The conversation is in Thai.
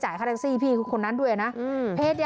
มาไอ้ตีด้วย